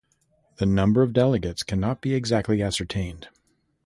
The number of delegates cannot be exactly ascertained.